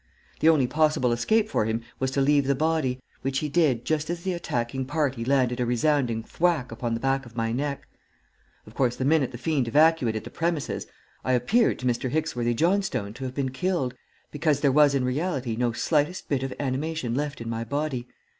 The only possible escape for him was to leave the body, which he did just as the attacking party landed a resounding thwack upon the back of my neck. Of course, the minute the fiend evacuated the premises, I appeared to Mr. Hicksworthy Johnstone to have been killed, because there was in reality no slightest bit of animation left in my body.